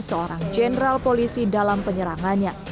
seorang jenderal polisi dalam penyerangannya